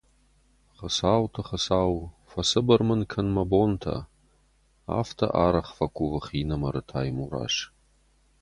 — Хуыцауты Хуыцау, фӕцыбыр мын кӕн мӕ бонтӕ, — афтӕ арӕх фӕкувы хинымӕры Таймураз.